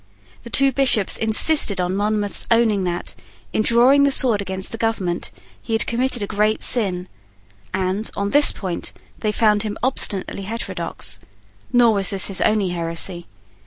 The two Bishops insisted on Monmouth's owning that, in drawing the sword against the government, he had committed a great sin; and, on this point, they found him obstinately heterodox. Nor was this his only heresy.